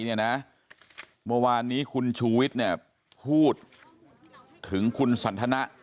เมื่อวานนี้คุณชูวิทย์พูดถึงคุณสันทนะ